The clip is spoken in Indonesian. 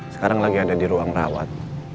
sekarang lagi ada di ruang rawat